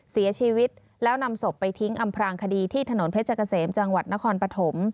เสียชีวิตแล้วนำศพไปทิ้งอำพลางคดีที่ถนนเพชรเกษมจังหวัดนครปฐม